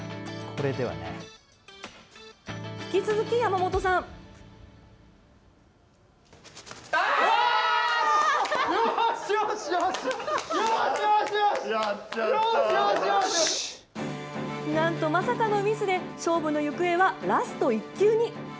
引き続き、山本さん。なんと、まさかのミスで勝負の行方はラスト１球に。